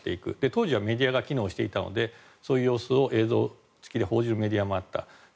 当時はメディアが機能していたのでそういう様子を映像付きで報じるメディアもあった。